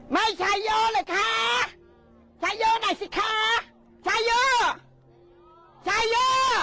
ไม่ชัยโยเลยค่ะชัยโยหน่อยสิค่ะชัยโยชัยโย